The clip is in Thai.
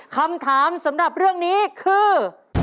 คำถามสำหรับเรื่องนี้คือ